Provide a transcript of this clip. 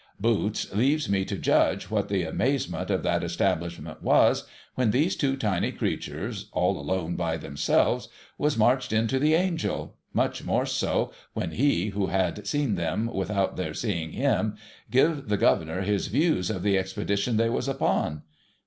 Boots leaves me to judge what the amazement of that establish ment was, when these two tiny creatures all alone by themselves was marched into the Angel, — much more so, when he, who had seen them without their seeing him, give the Governor his views of the expedition they was upon.